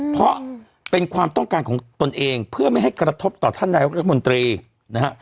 เพราะเป็นความต้องการของตนเองเพื่อไม่ให้กระทบต่อท่านนายกรัฐมนตรีนะฮะ